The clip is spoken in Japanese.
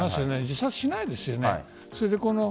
自殺しないですよね。